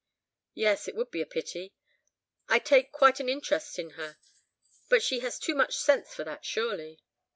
"Yes! it would be a pity. I take quite an interest in her. But she has too much sense for that, surely?"